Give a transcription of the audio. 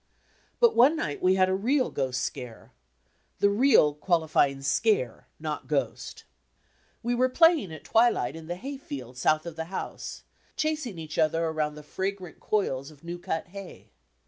But, one night we had a real ghost scare the "real" qualifying "scare," not "ghost." We were playing at twi light in the hayfield south of the house, chasing each other around the fragrant coils of new cut hay.